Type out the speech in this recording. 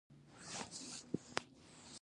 آیا او په ډیر تدبیر نه دی؟